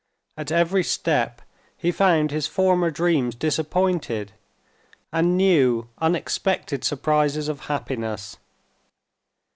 At every step he found his former dreams disappointed, and new, unexpected surprises of happiness.